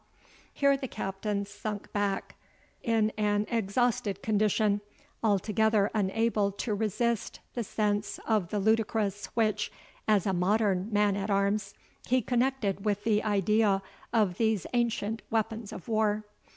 Here the Captain sunk back in an exhausted condition, altogether unable to resist the sense of the ludicrous which, as a modern man at arms, he connected with the idea of these ancient weapons of war.